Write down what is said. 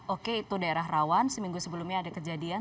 oke itu daerah rawan seminggu sebelumnya ada kejadian